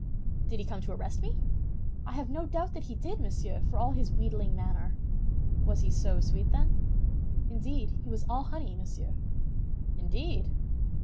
"Did he come to arrest me?" "I have no doubt that he did, monsieur, for all his wheedling manner." "Was he so sweet, then?" "Indeed, he was all honey, monsieur." "Indeed!"